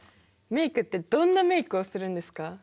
メイクってどんなメイクをするんですか？